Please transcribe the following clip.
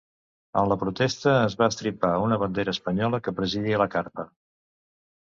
En la protesta, es va estripar una bandera espanyola que presidia la carpa.